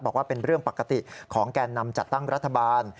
บอกว่าเป็นเรื่องปกติของแก่นำจัดตั้งรัฐบาล